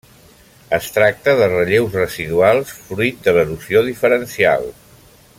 Es tracta de relleus residuals fruit de l'erosió diferencial.